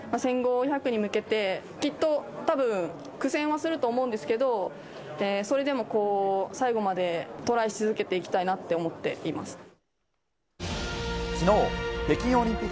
１５００に向けて、きっとたぶん、苦戦はすると思うんですけど、それでも最後までトライし続けていきたいなって思っています。